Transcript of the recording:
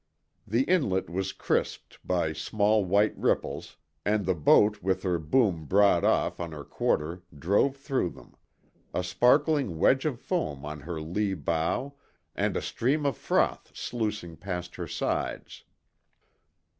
The inlet was crisped by small white ripples, and the boat with her boom broad off on her quarter drove through them; a sparkling wedge of foam on her lee bow and a stream of froth sluicing past her sides.